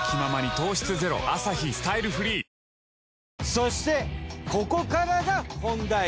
そしてここからが本題。